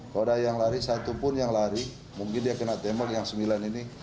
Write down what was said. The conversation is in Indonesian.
kalau ada yang lari satupun yang lari mungkin dia kena tembak yang sembilan ini